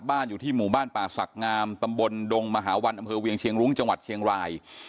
อยู่ที่หมู่บ้านป่าศักดิ์งามตำบลดงมหาวันอำเภอเวียงเชียงรุ้งจังหวัดเชียงราย